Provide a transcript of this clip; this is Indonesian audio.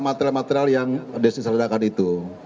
material material yang disisilkan itu